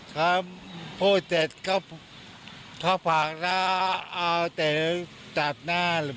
ครับผู้เจ็ดเข้าผากแล้วเอาเจ็ดจับหน้าหรือผม